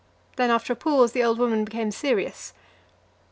Then after a pause the old woman became serious.